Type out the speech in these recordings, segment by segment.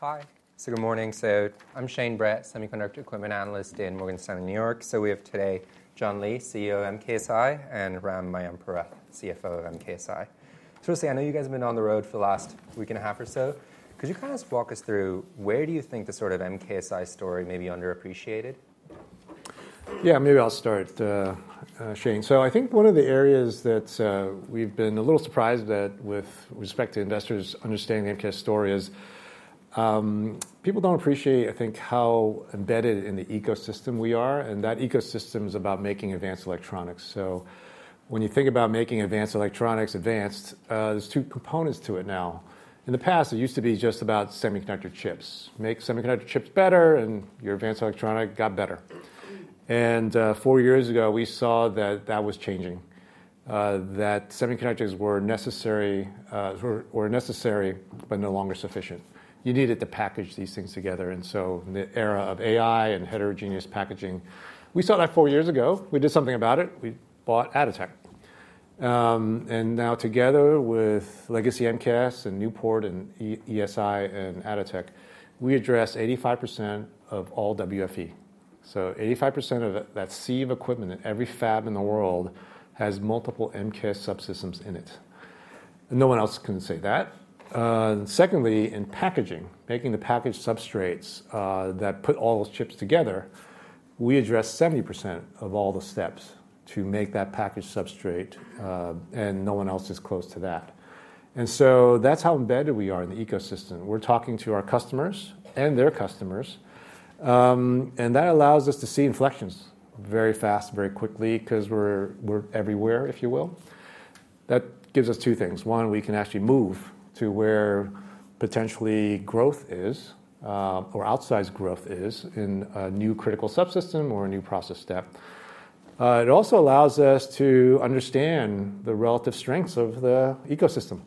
Hi. Good morning. I'm Shane Brett, Semiconductor Equipment Analyst in Morgan Stanley, New York. We have today John Lee, CEO of MKSI, and Ram Mayampurath, CFO of MKSI. Firstly, I know you guys have been on the road for the last week and a half or so. Could you kind of walk us through where do you think the sort of MKSI story may be underappreciated? Yeah, maybe I'll start, Shane. So I think one of the areas that we've been a little surprised at with respect to investors understanding the MKS story is people don't appreciate, I think, how embedded in the ecosystem we are. And that ecosystem is about making advanced electronics. So when you think about making advanced electronics advanced, there's two components to it now. In the past, it used to be just about semiconductor chips. Make semiconductor chips better, and your advanced electronics got better. And four years ago, we saw that that was changing, that semiconductors were necessary but no longer sufficient. You needed to package these things together. And so in the era of AI and heterogeneous packaging, we saw that four years ago. We did something about it. We bought Atotech. And now, together with legacy MKS and Newport and ESI and Atotech, we address 85% of all WFE. So 85% of that sea of equipment in every fab in the world has multiple MKS subsystems in it. No one else can say that. Secondly, in packaging, making the package substrates that put all those chips together, we address 70% of all the steps to make that package substrate. And no one else is close to that. And so that's how embedded we are in the ecosystem. We're talking to our customers and their customers. And that allows us to see inflections very fast, very quickly, because we're everywhere, if you will. That gives us two things. One, we can actually move to where potentially growth is or outsized growth is in a new critical subsystem or a new process step. It also allows us to understand the relative strengths of the ecosystem.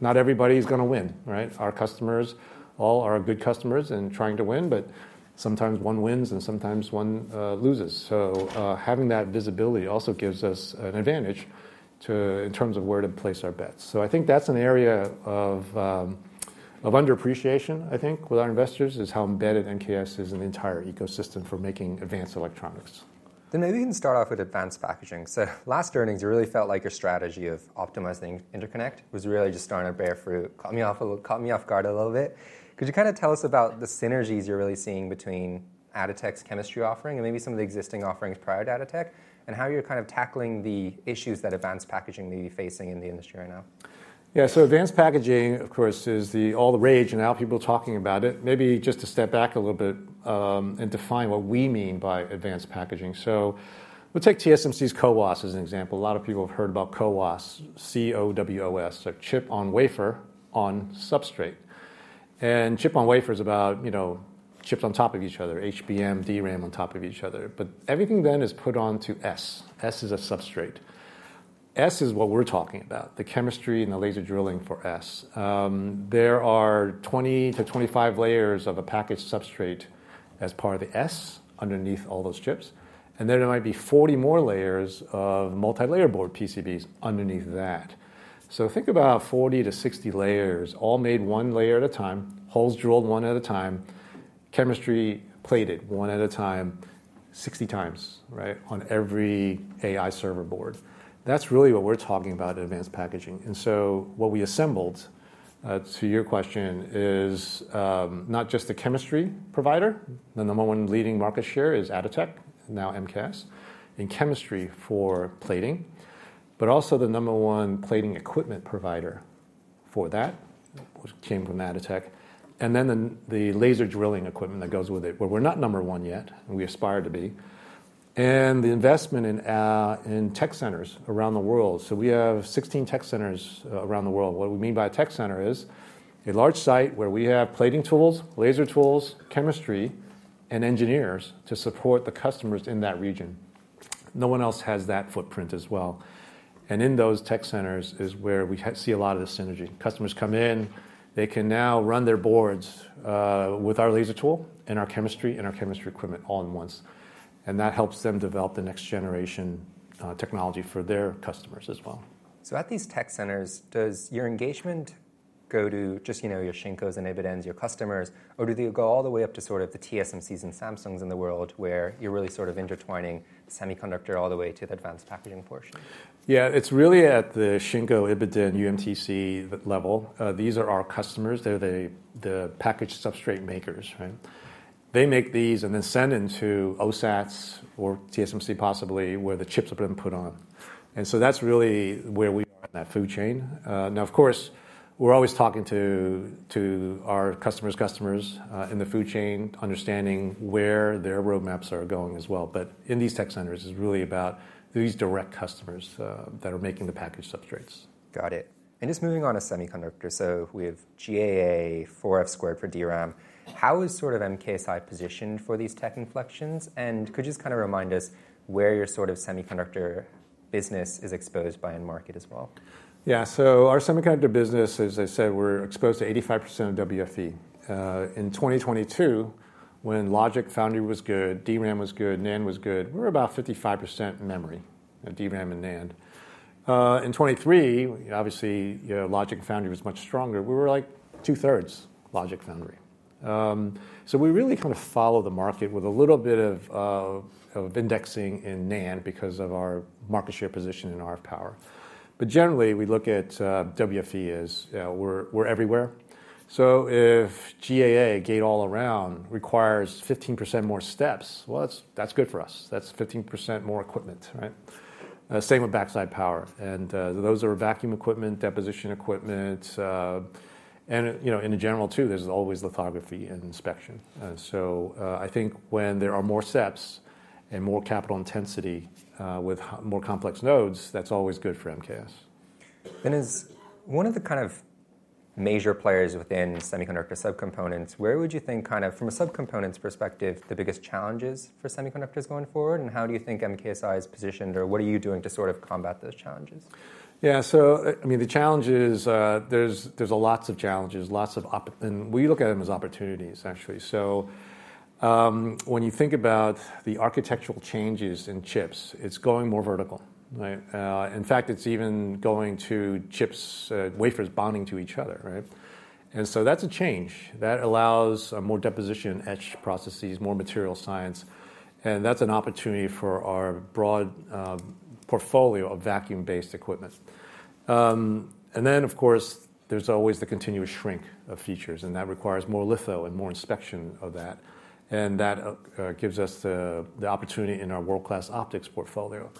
Not everybody is going to win, right? Our customers all are good customers and trying to win. But sometimes one wins, and sometimes one loses. So having that visibility also gives us an advantage in terms of where to place our bets. So I think that's an area of underappreciation, I think, with our investors, is how embedded MKS is in the entire ecosystem for making advanced electronics. Then maybe we can start off with advanced packaging. So last earnings, it really felt like your strategy of optimizing interconnect was really just starting to bear fruit, caught me off guard a little bit. Could you kind of tell us about the synergies you're really seeing between Atotech's chemistry offering and maybe some of the existing offerings prior to Atotech, and how you're kind of tackling the issues that advanced packaging may be facing in the industry right now? Yeah, so advanced packaging, of course, is all the rage and now people talking about it. Maybe just to step back a little bit and define what we mean by advanced packaging. So let's take TSMC's CoWoS as an example. A lot of people have heard about CoWoS, C-O-W-O-S, so chip on wafer on substrate. And chip on wafer is about chips on top of each other, HBM, DRAM on top of each other. But everything then is put onto S. S is a substrate. S is what we're talking about, the chemistry and the laser drilling for S. There are 20-25 layers of a package substrate as part of the S underneath all those chips. And then there might be 40 more layers of multi-layer board PCBs underneath that. Think about 40-60 layers, all made one layer at a time, holes drilled one at a time, chemistry plated one at a time, 60 times on every AI server board. That's really what we're talking about in advanced packaging. What we assembled, to your question, is not just the chemistry provider. The number one leading market share is Atotech, now MKS, in chemistry for plating, but also the number one plating equipment provider for that, which came from Atotech. Then the laser drilling equipment that goes with it, where we're not number one yet, and we aspire to be, and the investment in tech centers around the world. We have 16 tech centers around the world. What we mean by a tech center is a large site where we have plating tools, laser tools, chemistry, and engineers to support the customers in that region. No one else has that footprint as well, and in those tech centers is where we see a lot of the synergy. Customers come in. They can now run their boards with our laser tool and our chemistry and our chemistry equipment all in one. And that helps them develop the next generation technology for their customers as well. At these tech centers, does your engagement go to just your Shinko's and Ibiden's, your customers, or do they go all the way up to sort of the TSMCs and Samsungs in the world where you're really sort of intertwining semiconductor all the way to the advanced packaging portion? Yeah, it's really at the Shinko, Ibiden, UMTC level. These are our customers. They're the package substrate makers. They make these and then send them to OSATs or TSMC, possibly, where the chips have been put on. And so that's really where we are in that food chain. Now, of course, we're always talking to our customers' customers in the food chain, understanding where their roadmaps are going as well. But in these tech centers, it's really about these direct customers that are making the package substrates. Got it. And just moving on to semiconductor. So we have GAA, 4F squared for DRAM. How is sort of MKSI positioned for these tech inflections? And could you just kind of remind us where your sort of semiconductor business is exposed by end market as well? Yeah, so our semiconductor business, as I said, we're exposed to 85% of WFE. In 2022, when Logic Foundry was good, DRAM was good, NAND was good, we were about 55% memory, DRAM and NAND. In 2023, obviously, Logic Foundry was much stronger. We were like 2/3 Logic Foundry. So we really kind of follow the market with a little bit of indexing in NAND because of our market share position and RF power. But generally, we look at WFE as we're everywhere. So if GAA, Gate-All-Around, requires 15% more steps, well, that's good for us. That's 15% more equipment, right? Same with backside power. And those are vacuum equipment, deposition equipment. And in general, too, there's always lithography and inspection. So I think when there are more steps and more capital intensity with more complex nodes, that's always good for MKS. As one of the kind of major players within semiconductor subcomponents, where would you think kind of from a subcomponents perspective, the biggest challenges for semiconductors going forward? And how do you think MKSI is positioned, or what are you doing to sort of combat those challenges? Yeah, so I mean, the challenge is there's lots of challenges, lots of opportunities. And we look at them as opportunities, actually. So when you think about the architectural changes in chips, it's going more vertical. In fact, it's even going to chips, wafers bonding to each other. And so that's a change that allows more deposition-etch processes, more material science. And that's an opportunity for our broad portfolio of vacuum-based equipment. And then, of course, there's always the continuous shrink of features. And that requires more litho and more inspection of that. And that gives us the opportunity in our world-class optics portfolio.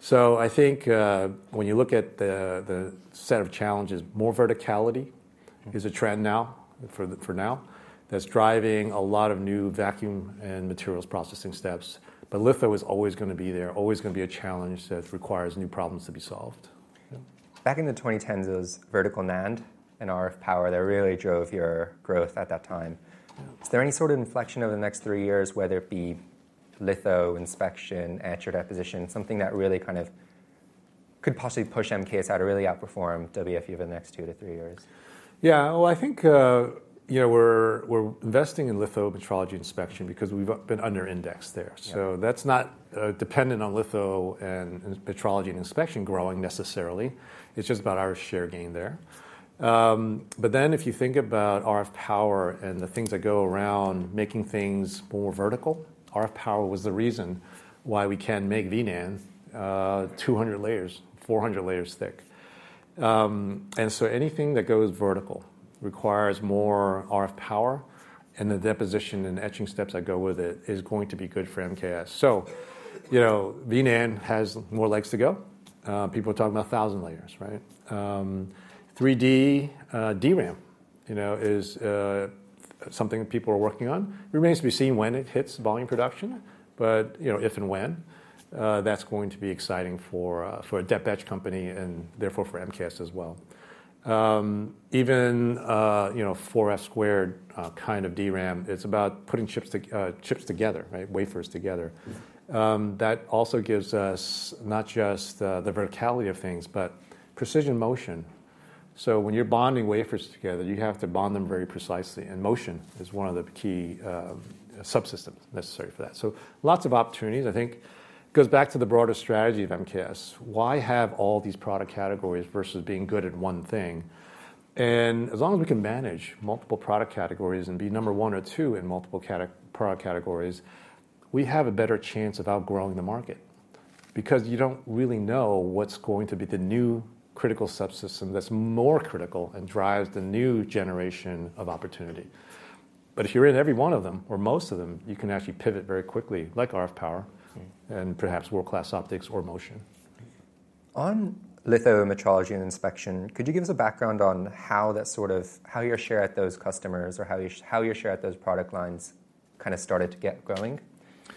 So I think when you look at the set of challenges, more verticality is a trend now that's driving a lot of new vacuum and materials processing steps. But litho is always going to be there, always going to be a challenge that requires new problems to be solved. Back in the 2010s, it was vertical NAND and RF power that really drove your growth at that time. Is there any sort of inflection over the next three years, whether it be litho, inspection, etch or deposition, something that really kind of could possibly push MKSI to really outperform WFE over the next two to three years? Yeah, well, I think we're investing in litho, metrology, inspection because we've been under-indexed there. So that's not dependent on litho and metrology and inspection growing necessarily. It's just about our share gain there. But then if you think about RF power and the things that go around making things more vertical, RF power was the reason why we can make VNAND 200 layers, 400 layers thick. And so anything that goes vertical requires more RF power. And the deposition and etching steps that go with it is going to be good for MKS. So VNAND has more legs to go. People are talking about 1,000 layers, right? 3D DRAM is something people are working on. Remains to be seen when it hits volume production, but if and when. That's going to be exciting for a deep-etch company and therefore for MKS as well. Even 4F squared kind of DRAM, it's about putting chips together, wafers together. That also gives us not just the verticality of things, but precision motion. So when you're bonding wafers together, you have to bond them very precisely. And motion is one of the key subsystems necessary for that. So lots of opportunities. I think it goes back to the broader strategy of MKS. Why have all these product categories versus being good at one thing? And as long as we can manage multiple product categories and be number one or two in multiple product categories, we have a better chance of outgrowing the market because you don't really know what's going to be the new critical subsystem that's more critical and drives the new generation of opportunity. But if you're in every one of them or most of them, you can actually pivot very quickly, like RF power and perhaps world-class optics or motion. On litho, metrology, and inspection, could you give us a background on how that sort of your share at those customers or how your share at those product lines kind of started to get going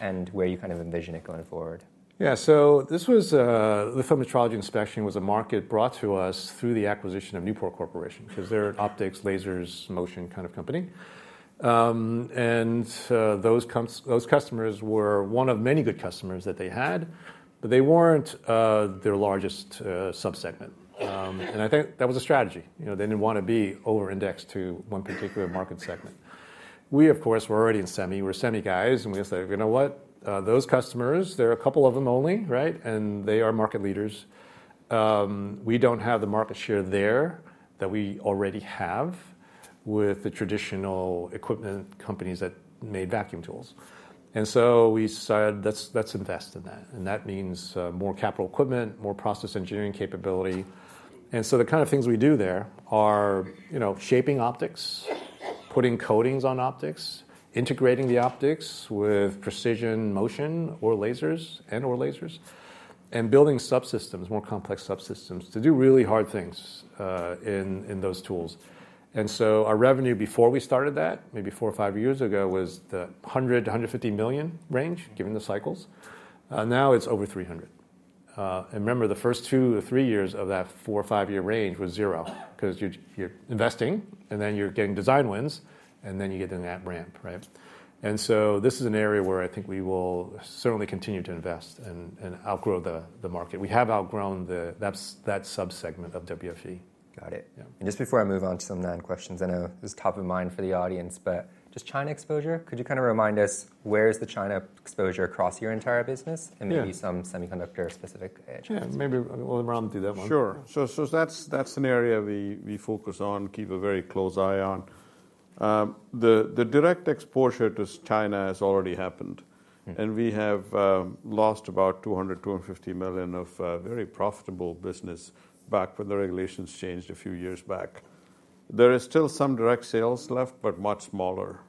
and where you kind of envision it going forward? Yeah, so this was litho, metrology inspection was a market brought to us through the acquisition of Newport Corporation because they're an optics, lasers, motion kind of company. And those customers were one of many good customers that they had, but they weren't their largest subsegment. And I think that was a strategy. They didn't want to be over-indexed to one particular market segment. We, of course, were already in semi. We were semi guys. And we said, you know what? Those customers, there are a couple of them only, right? And they are market leaders. We don't have the market share there that we already have with the traditional equipment companies that made vacuum tools. And so we decided let's invest in that. And that means more capital equipment, more process engineering capability. The kind of things we do there are shaping optics, putting coatings on optics, integrating the optics with precision motion or lasers and/or lasers, and building subsystems, more complex subsystems to do really hard things in those tools. Our revenue before we started that, maybe four or five years ago, was the $100 million-$150 million range, given the cycles. Now it's over $300 million. Remember, the first two or three years of that four or five-year range was zero because you're investing, and then you're getting design wins, and then you get in that ramp, right? This is an area where I think we will certainly continue to invest and outgrow the market. We have outgrown that subsegment of WFE. Got it. And just before I move on to some NAND questions, I know it's top of mind for the audience, but just China exposure, could you kind of remind us where is the China exposure across your entire business and maybe some semiconductor specific etch? Yeah, maybe we'll Ram do that one. Sure. So that's an area we focus on, keep a very close eye on. The direct exposure to China has already happened. And we have lost about $200-$250 million of very profitable business back when the regulations changed a few years back. There is still some direct sales left, but much smaller.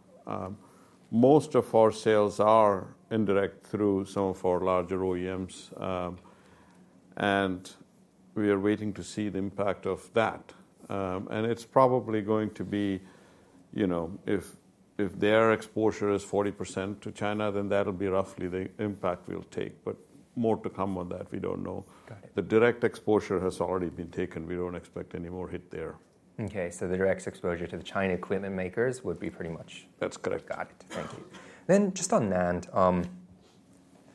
Most of our sales are indirect through some of our larger OEMs. And we are waiting to see the impact of that. And it's probably going to be if their exposure is 40% to China, then that'll be roughly the impact we'll take. But more to come on that. We don't know. The direct exposure has already been taken. We don't expect any more hit there. OK, so the direct exposure to the China equipment makers would be pretty much. That's correct. Got it. Thank you. Then just on NAND,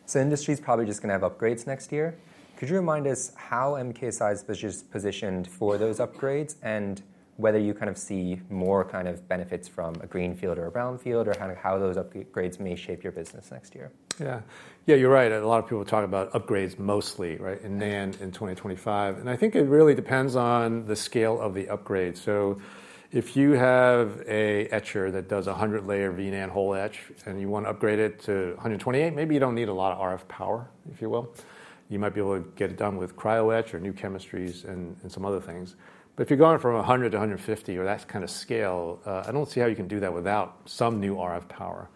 so industry is probably just going to have upgrades next year. Could you remind us how MKSI is positioned for those upgrades and whether you kind of see more kind of benefits from a greenfield or a brownfield or how those upgrades may shape your business next year? Yeah, yeah, you're right. A lot of people talk about upgrades mostly in NAND in 2025. And I think it really depends on the scale of the upgrade. So if you have an etcher that does 100-layer VNAND hole etch and you want to upgrade it to 128, maybe you don't need a lot of RF power, if you will. You might be able to get it done with cryo etch or new chemistries and some other things. But if you're going from 100 to 150 or that kind of scale, I don't see how you can do that without some new RF power.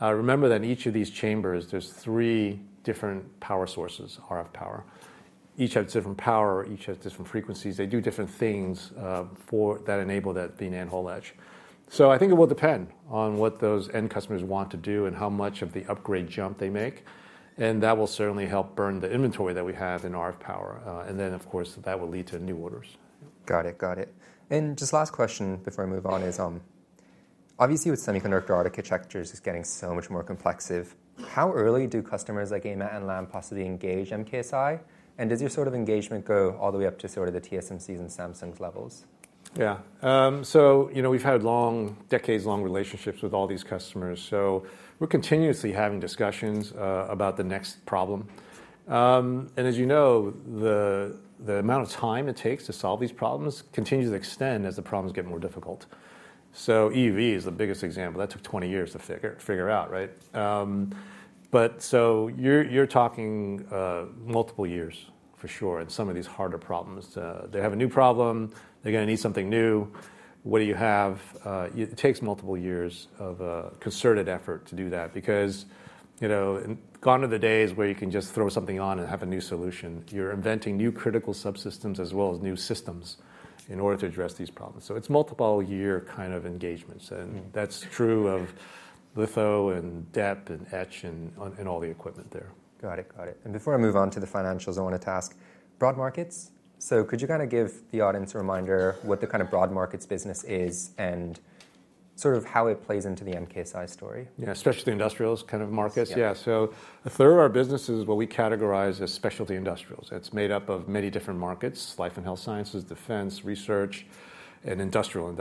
Remember that in each of these chambers, there's three different power sources, RF power. Each has different power. Each has different frequencies. They do different things that enable that VNAND hole etch. So I think it will depend on what those end customers want to do and how much of the upgrade jump they make. And that will certainly help burn the inventory that we have in RF power. And then, of course, that will lead to new orders. Got it, got it. And just last question before I move on is obviously with semiconductor advanced etchers getting so much more complex. How early do customers like AMAT and Lam possibly engage MKSI? And does your sort of engagement go all the way up to sort of the TSMCs and Samsungs levels? Yeah, so we've had long, decades-long relationships with all these customers. So we're continuously having discussions about the next problem. And as you know, the amount of time it takes to solve these problems continues to extend as the problems get more difficult. So EUV is the biggest example. That took 20 years to figure out, right? But so you're talking multiple years for sure in some of these harder problems. They have a new problem. They're going to need something new. What do you have? It takes multiple years of concerted effort to do that because gone are the days where you can just throw something on and have a new solution. You're inventing new critical subsystems as well as new systems in order to address these problems. So it's multiple-year kind of engagements. And that's true of litho, dep, and etch and all the equipment there. Got it, got it. And before I move on to the financials, I wanted to ask broad markets. So could you kind of give the audience a reminder what the kind of broad markets business is and sort of how it plays into the MKSI story? Yeah, specialty industrials kind of markets, yeah. So a third of our business is what we categorize as specialty industrials. It's made up of many different markets: life and health sciences, defense, research, and industrial.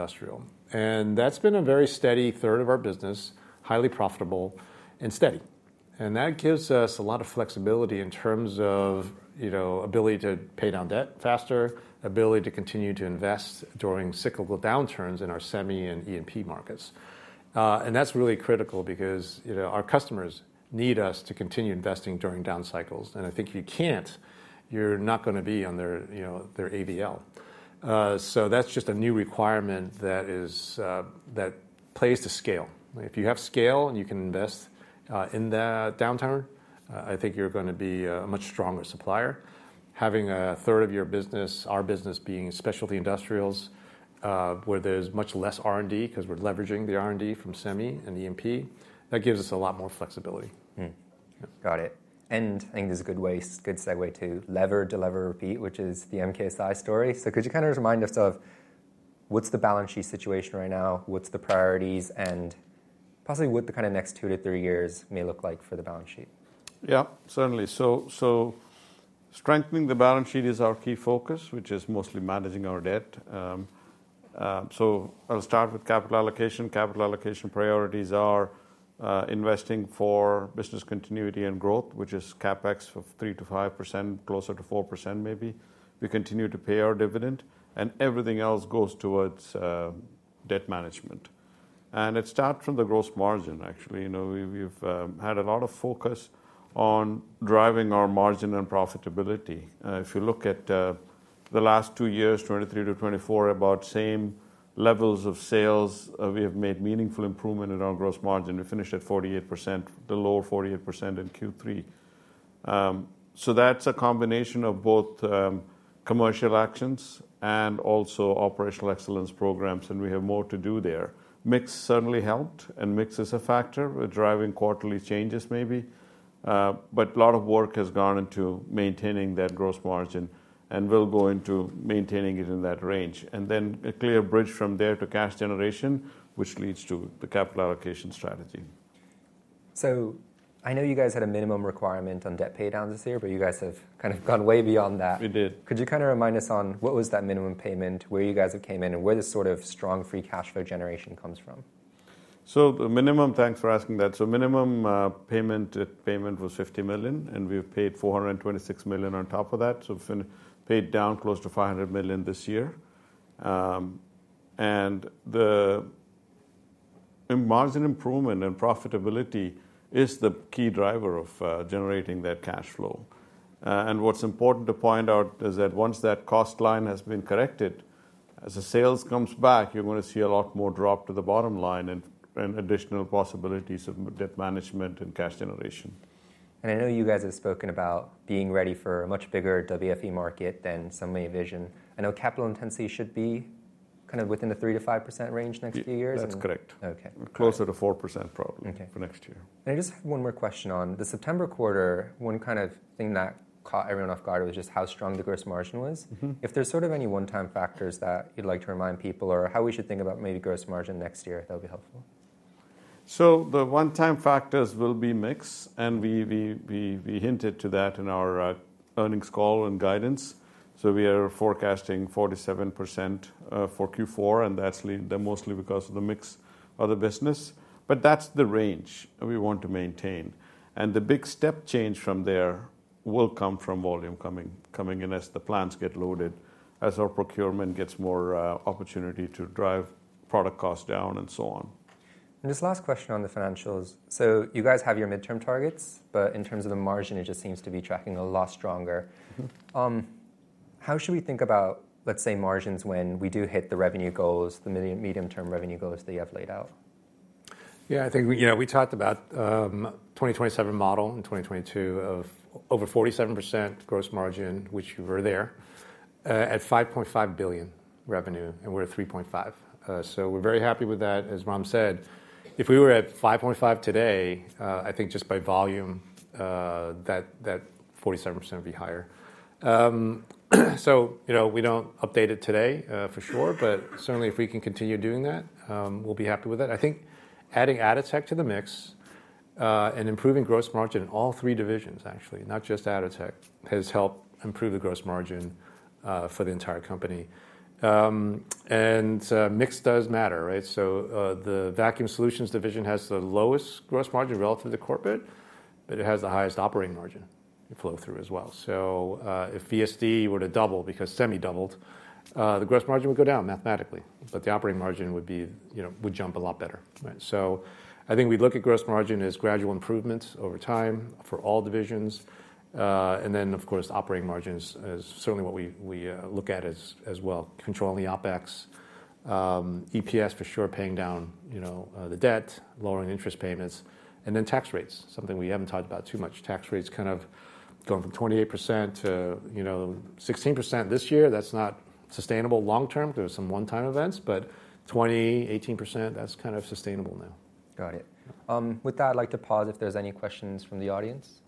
And that's been a very steady third of our business, highly profitable and steady. And that gives us a lot of flexibility in terms of ability to pay down debt faster, ability to continue to invest during cyclical downturns in our semi and E&P markets. And that's really critical because our customers need us to continue investing during down cycles. And I think if you can't, you're not going to be on their ABL. So that's just a new requirement that plays to scale. If you have scale and you can invest in that downturn, I think you're going to be a much stronger supplier. Having a third of your business, our business, being specialty industrials where there's much less R&D because we're leveraging the R&D from semi and E&P, that gives us a lot more flexibility. Got it, and I think there's a good way, good segue to leverage to repeat, which is the MKSI story, so could you kind of remind us of what's the balance sheet situation right now? What's the priorities? And possibly what the kind of next two to three years may look like for the balance sheet? Yeah, certainly. So strengthening the balance sheet is our key focus, which is mostly managing our debt. So I'll start with capital allocation. Capital allocation priorities are investing for business continuity and growth, which is CapEx of 3%-5%, closer to 4% maybe. We continue to pay our dividend. And everything else goes towards debt management. And it starts from the gross margin, actually. We've had a lot of focus on driving our margin and profitability. If you look at the last two years, 2023 to 2024, about same levels of sales, we have made meaningful improvement in our gross margin. We finished at 48%, the lower 48% in Q3. So that's a combination of both commercial actions and also operational excellence programs. And we have more to do there. Mix certainly helped. And mix is a factor. We're driving quarterly changes maybe. But a lot of work has gone into maintaining that gross margin. And we'll go into maintaining it in that range. And then a clear bridge from there to cash generation, which leads to the capital allocation strategy. So I know you guys had a minimum requirement on debt pay down this year, but you guys have kind of gone way beyond that. We did. Could you kind of remind us on what was that minimum payment, where you guys have came in, and where this sort of strong free cash flow generation comes from? So the minimum, thanks for asking that. So minimum payment was $50 million. And we've paid $426 million on top of that. So we've paid down close to $500 million this year. And the margin improvement and profitability is the key driver of generating that cash flow. And what's important to point out is that once that cost line has been corrected, as the sales comes back, you're going to see a lot more drop to the bottom line and additional possibilities of debt management and cash generation. I know you guys have spoken about being ready for a much bigger WFE market than some may envision. I know capital intensity should be kind of within the 3%-5% range next few years. That's correct. Closer to 4% probably for next year. And I just have one more question on the September quarter. One kind of thing that caught everyone off guard was just how strong the gross margin was. If there's sort of any one-time factors that you'd like to remind people or how we should think about maybe gross margin next year, that would be helpful. So the one-time factors will be mixed. And we hinted to that in our earnings call and guidance. So we are forecasting 47% for Q4. And that's mostly because of the mix of the business. But that's the range we want to maintain. And the big step change from there will come from volume coming in as the plants get loaded, as our procurement gets more opportunity to drive product costs down and so on. Just last question on the financials. You guys have your midterm targets. In terms of the margin, it just seems to be tracking a lot stronger. How should we think about, let's say, margins when we do hit the revenue goals, the medium-term revenue goals that you have laid out? Yeah, I think we talked about the 2027 model in 2022 of over 47% gross margin, which we were there at $5.5 billion revenue, and we're at $3.5 billion, so we're very happy with that. As Ram said, if we were at $5.5 billion today, I think just by volume, that 47% would be higher. So we don't update it today for sure, but certainly, if we can continue doing that, we'll be happy with that. I think adding Atotech to the mix and improving gross margin in all three divisions, actually, not just Atotech, has helped improve the gross margin for the entire company. And mix does matter, right? So the vacuum solutions division has the lowest gross margin relative to corporate, but it has the highest operating margin flow through as well. So if VSD were to double because semi doubled, the gross margin would go down mathematically. But the operating margin would jump a lot better. So I think we look at gross margin as gradual improvements over time for all divisions. And then, of course, operating margin is certainly what we look at as well, controlling the OpEx, EPS for sure, paying down the debt, lowering interest payments. And then tax rates, something we haven't talked about too much. Tax rates kind of going from 28% to 16% this year. That's not sustainable long term. There are some one-time events. But 20%, 18%, that's kind of sustainable now. Got it. With that, I'd like to pause if there's any questions from the audience.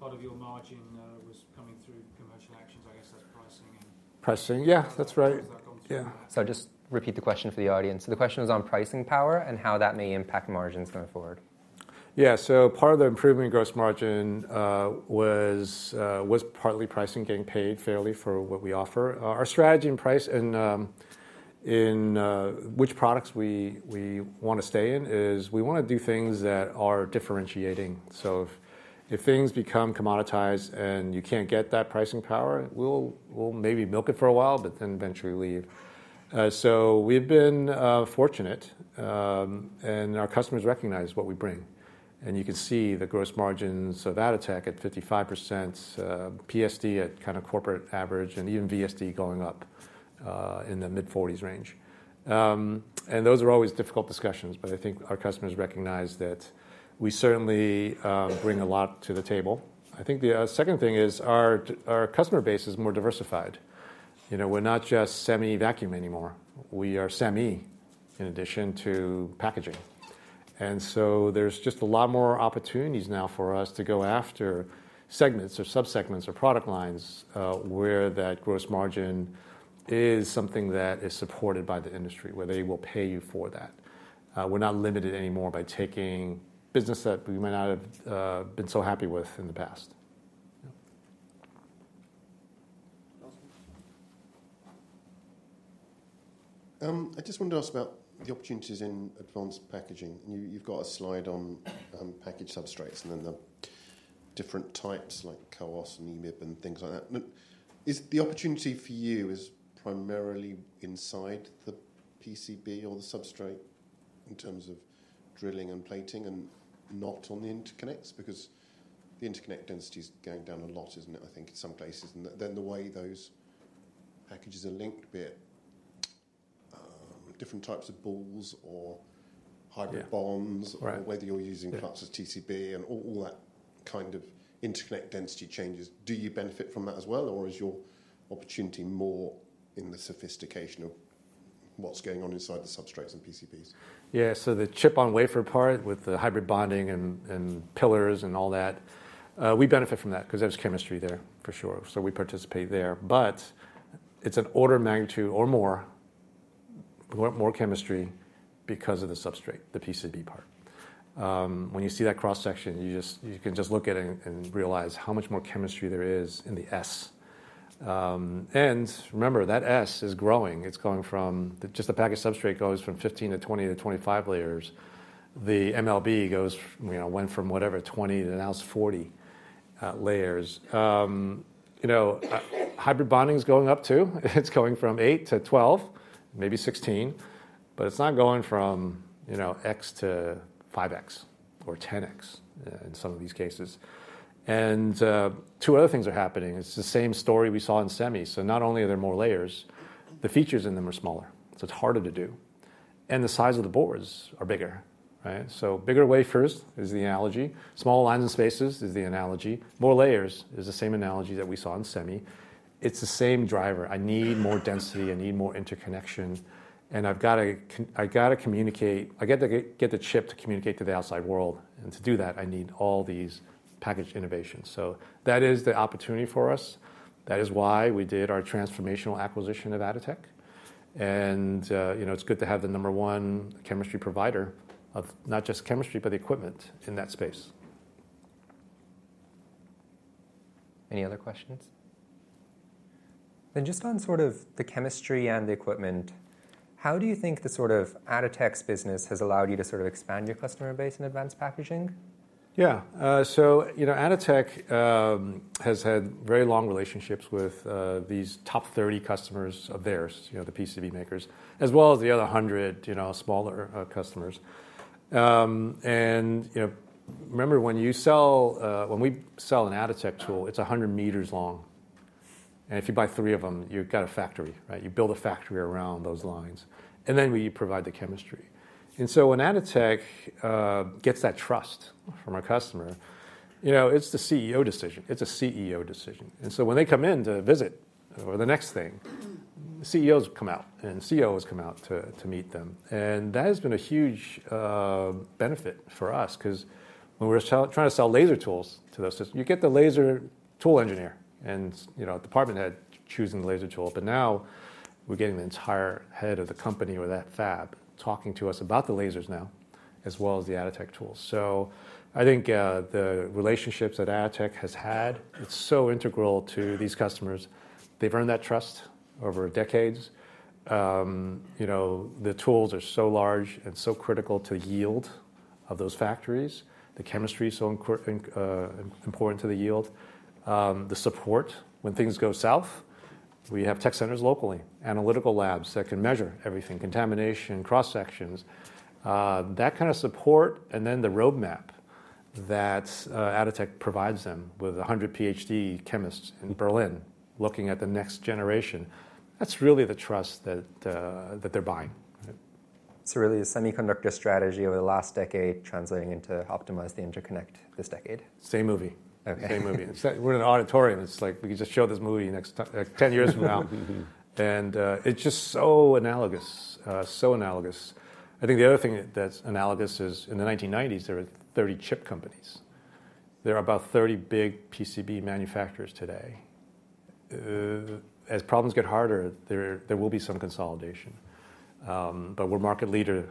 Pricing power? You said some part of your margin was coming through commercial actions. I guess that's pricing. Pricing, yeah, that's right. So I'll just repeat the question for the audience. So the question was on pricing power and how that may impact margins going forward. Yeah, so part of the improvement in gross margin was partly pricing getting paid fairly for what we offer. Our strategy in price and in which products we want to stay in is we want to do things that are differentiating. If things become commoditized and you can't get that pricing power, we'll maybe milk it for a while, but then eventually leave. We've been fortunate. Our customers recognize what we bring. You can see the gross margins of Atotech at 55%, PSD at kind of corporate average, and even VSD going up in the mid-40s range. Those are always difficult discussions. Our customers recognize that we certainly bring a lot to the table. The second thing is our customer base is more diversified. We're not just semi vacuum anymore. We are semi in addition to packaging. And so there's just a lot more opportunities now for us to go after segments or subsegments or product lines where that gross margin is something that is supported by the industry, where they will pay you for that. We're not limited anymore by taking business that we might not have been so happy with in the past. I just wanted to ask about the opportunities in advanced packaging, and you've got a slide on package substrates and then the different types like CoWoS and EMIB and things like that. Is the opportunity for you primarily inside the PCB or the substrate in terms of drilling and plating and not on the interconnects? Because the interconnect density is going down a lot, isn't it, I think, in some places? And then the way those packages are linked, be it different types of balls or hybrid bonding or whether you're using parts of TCB and all that kind of interconnect density changes, do you benefit from that as well? Or is your opportunity more in the sophistication of what's going on inside the substrates and PCBs? Yeah, so the chip-on-wafer part with the hybrid bonding and pillars and all that, we benefit from that because there's chemistry there for sure. So we participate there. But it's an order of magnitude or more chemistry because of the substrate, the PCB part. When you see that cross-section, you can just look at it and realize how much more chemistry there is in the S. And remember, that S is growing. It's going from just a package substrate goes from 15 to 20 to 25 layers. The MLB went from whatever, 20 to now it's 40 layers. Hybrid bonding is going up too. It's going from 8 to 12, maybe 16. But it's not going from X to 5X or 10X in some of these cases. And two other things are happening. It's the same story we saw in semi. So not only are there more layers, the features in them are smaller. So it's harder to do. And the size of the boards are bigger, right? So bigger wafers is the analogy. Small lines and spaces is the analogy. More layers is the same analogy that we saw in semi. It's the same driver. I need more density. I need more interconnection. And I've got to communicate. I get to get the chip to communicate to the outside world. And to do that, I need all these package innovations. So that is the opportunity for us. That is why we did our transformational acquisition of Atotech. And it's good to have the number one chemistry provider of not just chemistry, but the equipment in that space. Any other questions? Then just on sort of the chemistry and the equipment, how do you think the sort of Atotech's business has allowed you to sort of expand your customer base in advanced packaging? Yeah. So Atotech has had very long relationships with these top 30 customers of theirs, the PCB makers, as well as the other 100 smaller customers. And remember, when we sell an Atotech tool, it's 100 meters long. And if you buy three of them, you've got a factory, right? You build a factory around those lines. And then we provide the chemistry. And so when Atotech gets that trust from our customer, it's the CEO decision. It's a CEO decision. And so when they come in to visit or the next thing, CEOs come out. And COOs come out to meet them. And that has been a huge benefit for us because when we were trying to sell laser tools to those systems, you get the laser tool engineer and department head choosing the laser tool. But now we're getting the entire head of the company or that fab talking to us about the lasers now, as well as the Atotech tools. So I think the relationships that Atotech has had, it's so integral to these customers. They've earned that trust over decades. The tools are so large and so critical to yield of those factories. The chemistry is so important to the yield. The support when things go south. We have tech centers locally, analytical labs that can measure everything, contamination, cross-sections. That kind of support and then the roadmap that Atotech provides them with 100 PhD chemists in Berlin looking at the next generation, that's really the trust that they're buying. Really, a semiconductor strategy over the last decade translating into optimizing the interconnect this decade. Same movie. Same movie. We're in an auditorium. It's like we could just show this movie 10 years from now. And it's just so analogous, so analogous. I think the other thing that's analogous is in the 1990s, there were 30 chip companies. There are about 30 big PCB manufacturers today. As problems get harder, there will be some consolidation. But we're a market leader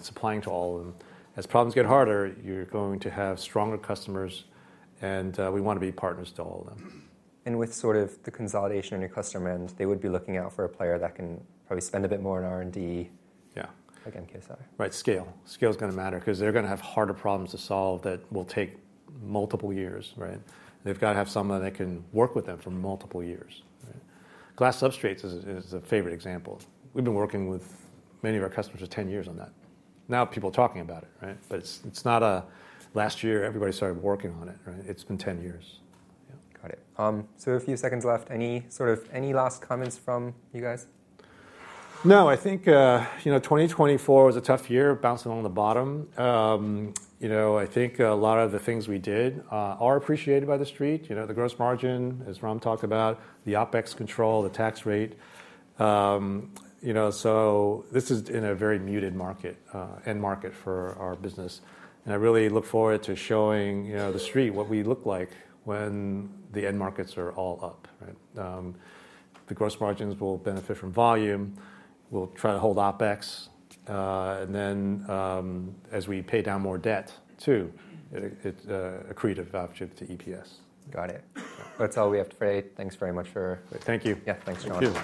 supplying to all of them. As problems get harder, you're going to have stronger customers. And we want to be partners to all of them. And with sort of the consolidation in your customer end, they would be looking out for a player that can probably spend a bit more in R&D against MKS. Right, scale. Scale is going to matter because they're going to have harder problems to solve that will take multiple years, right? They've got to have someone that can work with them for multiple years. Glass substrates is a favorite example. We've been working with many of our customers for 10 years on that. Now people are talking about it, right? But it's not a last year everybody started working on it, right? It's been 10 years. Got it. So a few seconds left. Any last comments from you guys? No, I think 2024 was a tough year, bouncing on the bottom. I think a lot of the things we did are appreciated by the street. The gross margin, as Ram talked about, the OpEx control, the tax rate. So this is in a very muted market, end market for our business. And I really look forward to showing the street what we look like when the end markets are all up, right? The gross margins will benefit from volume. We'll try to hold OpEx. And then as we pay down more debt too, it's an accretive option to EPS. Got it. That's all we have today. Thanks very much for. Thank you. Yeah, thanks, Ram.